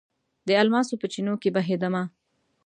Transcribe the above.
د الماسو په چېنو کې بهیدمه